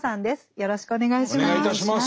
よろしくお願いします。